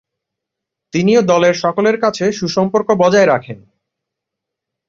তিনি ও দলের সকলের কাছে সু-সম্পর্ক বজায় রাখেন।